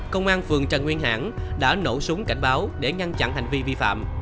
công an phường trần nguyên hãng đã nổ súng cảnh báo để ngăn chặn hành vi vi phạm